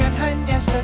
ini pengen pasti